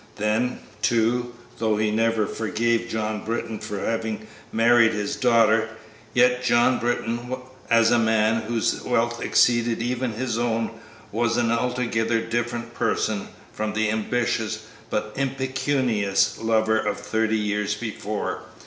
Then, too, though he never forgave John Britton for having married his daughter, yet John Britton as a man whose wealth exceeded even his own was an altogether different person from the ambitious but impecunious lover of thirty years before.